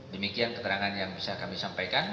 demikian keterangan yang bisa kami sampaikan